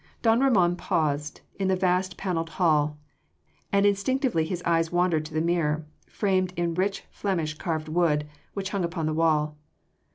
Don Ramon paused in the vast panelled hall and instinctively his eyes wandered to the mirror, framed in rich Flemish carved wood, which hung upon the wall.